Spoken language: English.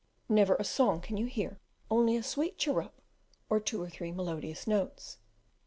Never a song can you hear, only a sweet chirrup, or two or three melodious notes.